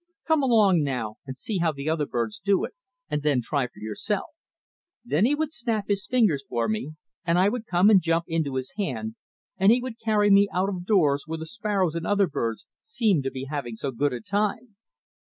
Come along now and see how the other birds do it, and then try for yourself." Then he would snap his fingers for me and I would come and jump into his hand and he would carry me out of doors where the sparrows and other birds seemed to be having so good a time.